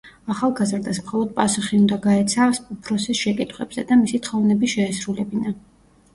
ახალგაზრდას მხოლოდ პასუხი უნდა გაეცა უფროსის შეკითხვებზე და მისი თხოვნები შეესრულებინა.